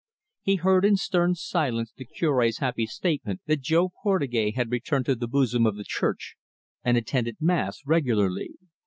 He heard in stern silence the Cure's happy statement that Jo Portugais had returned to the bosom of the Church, and attended Mass regularly.